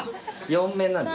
４面なんで。